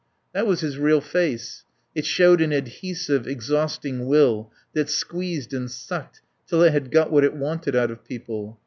That was his real face. It showed an adhesive, exhausting will that squeezed and sucked till it had got what it wanted out of people.